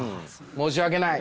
申し訳ない。